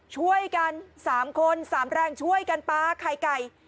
ช่วยกัน๓คน๓แรงช่วยกันปลาไข่ไก่